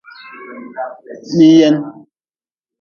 Miyen.